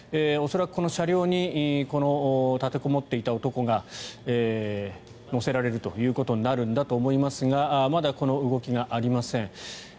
恐らく、この車両に立てこもっていた男が乗せられるということになるんだと思いますがまだこの動きがありません。